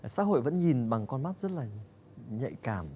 xã hội vẫn nhìn bằng con mắt rất là nhạy cảm